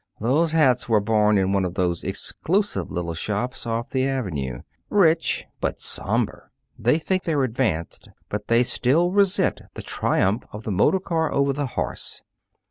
Those hats were born in one of those exclusive little shops off the Avenue. Rich but somber. They think they're advanced, but they still resent the triumph of the motor car over the horse.